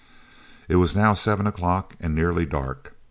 It was now 7 o'clock and nearly dark.